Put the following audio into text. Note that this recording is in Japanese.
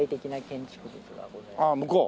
ああ向こう？